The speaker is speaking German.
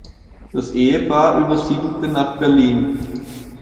Das Ehepaar übersiedelte nach Berlin.